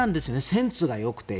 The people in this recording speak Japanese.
センスがよくて。